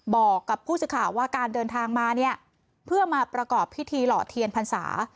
บอกกับผู้สื่อข่าวว่าการเดินทางมาเนี่ยเพื่อมาประกอบพิธีหล่อเทียนพรรษา